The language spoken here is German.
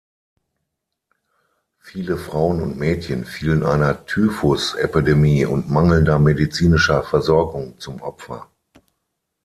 Viele Frauen und Mädchen fielen einer Typhusepidemie und mangelnder medizinischer Versorgung zum Opfer.